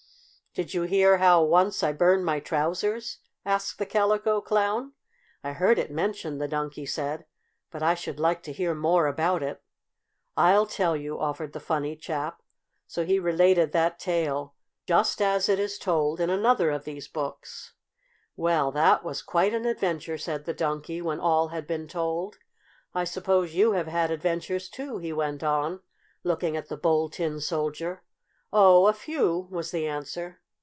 "Did you hear how once I burned my trousers?" asked the Calico Clown. "I heard it mentioned," the Donkey said; "but I should like to hear more about it." "I'll tell you," offered the funny chap. So he related that tale, just as it is told in another of these books. "Well, that was quite an adventure," said the Donkey, when all had been told. "I suppose you have had adventures, too?" he went on, looking at the Bold Tin Soldier. "Oh, a few," was the answer.